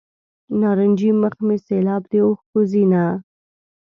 نارنجي مخ مې سیلاب د اوښکو ځینه.